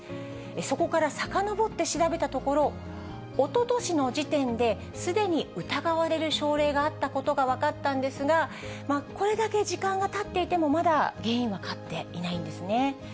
そこからさかのぼって調べたところ、おととしの時点で、すでに疑われる症例があったことが分かったんですが、これだけ時間がたっていても、まだ原因分かっていないんですね。